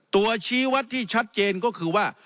ชี้วัดที่ชัดเจนก็คือว่า